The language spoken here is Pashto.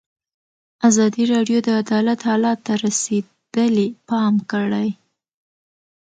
ازادي راډیو د عدالت حالت ته رسېدلي پام کړی.